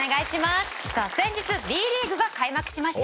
さあ先日Ｂリーグが開幕しました。